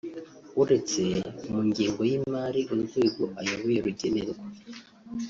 uretse mu ngengo y’imari urwego ayoboye rugenerwa